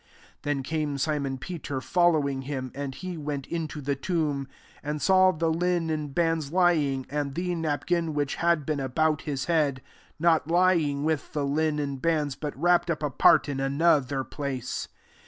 6 Then came Simon Peter, following him ; and he went into the tomb, load saw the linen bands lying ;. 7 and the nsq^kin, which had been about his head, not lying with i the linen bands, but wrapped up, apart in another place.